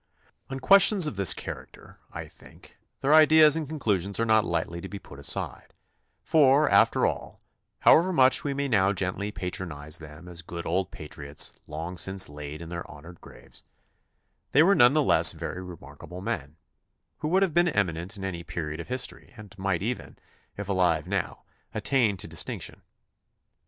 On questions of this character, I think, their ideas and conclusions are not lightly to be put aside; for, after all, however much we may now gently patronize them as good old patriots long since laid in their honored graves, they were none the less very remark able men, who would have been ermnent in any period of history and might even, if alive now, attain to dis tinction.